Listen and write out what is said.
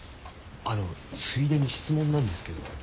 あのついでに質問なんですけど。